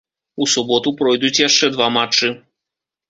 У суботу пройдуць яшчэ два матчы.